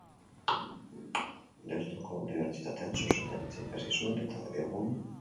Deustuko Unibertsitatean zuzendaritza ikasi zuen eta egun abokatua da.